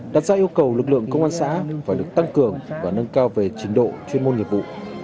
đặt ra yêu cầu lực lượng công an xã phải được tăng cường và nâng cao về trình độ chuyên môn nghiệp vụ